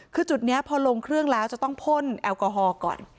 คือจุดนี้พอลงเครื่องแล้วจะต้องพ่นแอลกอฮอล์ก่อน